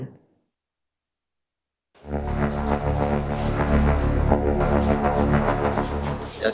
sekolah pelayaran negeri di bawah naungan kemenhub